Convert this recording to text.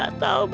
isu tua hp mu